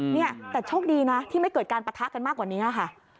เนี่ยแต่โชคดีนะที่ไม่เกิดการปะทะกันมากกว่านี้ค่ะ